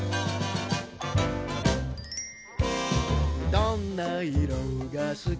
「どんな色がすき」